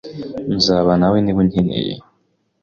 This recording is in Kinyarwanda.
Nzabanawe nawe niba unkeneye.